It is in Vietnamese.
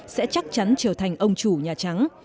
sẽ chắc chắn trở thành ông chủ nhà trắng